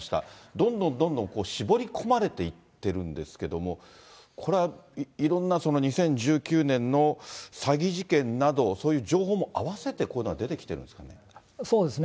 どんどんどんどん絞り込まれていってるんですけれども、これはいろんな２０１９年の詐欺事件など、そういう情報も合わせて、こういうのが出てきてるんですかね。